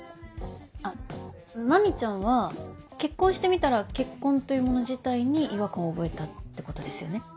あ麻美ちゃんは結婚してみたら結婚というもの自体に違和感を覚えたってことですよね？